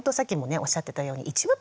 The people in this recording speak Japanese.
おっしゃってたように一部分で。